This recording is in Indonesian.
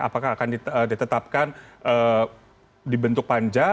apakah akan ditetapkan di bentuk panja